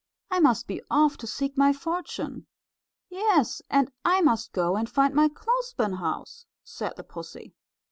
"I must be off to seek my fortune." "Yes, and I must go and find my clothespin house," said the pussy.